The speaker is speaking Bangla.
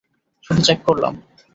শুধু চেক করলাম।